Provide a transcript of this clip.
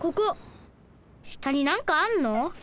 したになんかあんの？